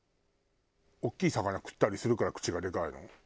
大きい魚食ったりするから口がでかいの？